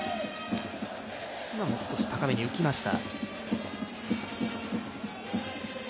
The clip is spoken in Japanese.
今も少し高めに浮きました。